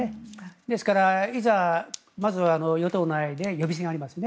ですから、いざ、まずは与党内で予備選がありますね。